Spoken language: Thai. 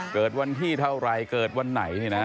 เกิดวันที่เท่าไหร่เกิดวันไหนเนี่ยนะ